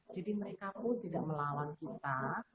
jadi mereka pun tidak melawan kita